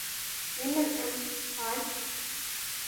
مِمَّنْ أَنْتَ ؟ قَالَ